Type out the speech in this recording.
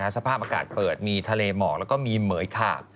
สภาพอากาศเปิดมีทะเลหมอกแล้วก็มีเหมือยขาบ